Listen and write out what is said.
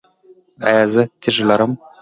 ایا زه تیږه لرم؟